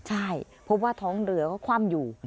ใช่พบว่าท้องเรือก็คว่ำอยู่